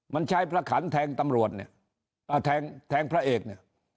มันใช้พระขันแทงตำรวจเนี่ยแทงแทงพระเอกเนี่ย